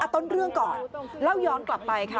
ต้นเรื่องก่อนเล่าย้อนกลับไปค่ะ